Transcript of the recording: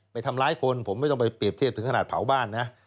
ไปทำร้ายคนผมไม่ต้องไปเปรียบเทียบถึงขนาดเผาบ้านนะ